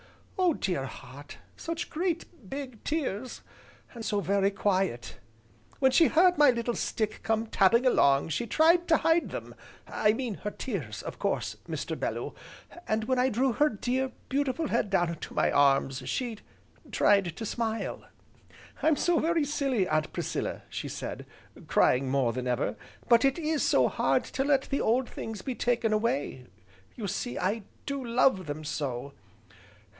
Oh dear heart! such great, big tears, and so very quiet! When she heard my little stick come tapping along she tried to hide them, I mean her tears, of course, Mr. Bellew, and when I drew her dear, beautiful head down into my arms, she tried to smile. 'I'm so very silly, Aunt Priscilla,' she said, crying more than ever, 'but it is so hard to let the old things be taken away, you see, I do love them so!